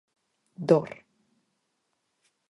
Dor.